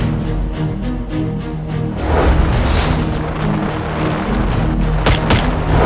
yang lebih baik adalah